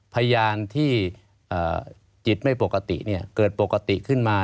พยานที่จิตไม่ปกติเกิดปกติขึ้นมา